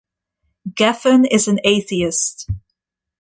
Geffen is an atheist.